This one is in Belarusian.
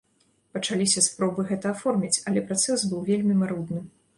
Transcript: Пачаліся спробы гэта аформіць, але працэс быў вельмі марудны.